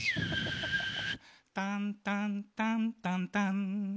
タンタンタンタタン。